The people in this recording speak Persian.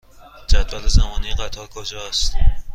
جدول زمانی قطارها کجا است؟